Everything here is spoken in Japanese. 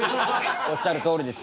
おっしゃるとおりです